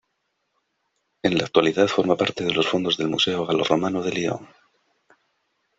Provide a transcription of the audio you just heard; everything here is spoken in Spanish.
En la actualidad forma parte de los fondos del Museo Galo-Romano de Lyon.